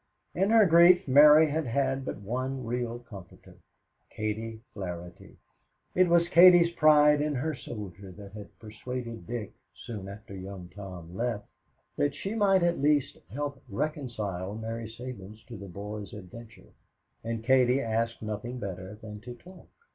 In her grief Mary had had but one real comforter Katie Flaherty. It was Katie's pride in her soldier that had persuaded Dick, soon after Young Tom left, that she might at least help reconcile Mary Sabins to the boy's adventure. And Katie asked nothing better than to talk.